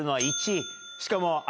しかも。